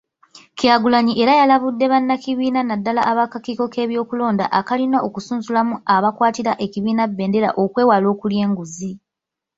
Kyagulanyi era yalabudde bannakibiina naddala ab'akakiiko k’ebyokulonda akalina okusunsulamu abakwatira ekibiina bbendera okwewala okulya enguzi.